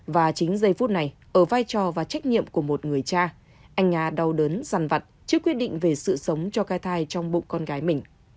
và chính giây phút này ở vai trò và trách nhiệm của một người cha anh nga đau đớn sằn vặt trước quyết định về sự sống cho cái thai trong bụng con gái mình